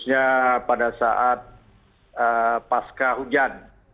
ya pada saat pasca hujan